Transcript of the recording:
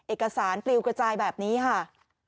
เอกสารปลิวกระจายแบบนี้ค่ะ